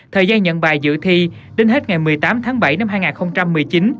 thời gian nhận bài dự thi đến hết ngày một mươi tám tháng bảy năm hai nghìn một mươi chín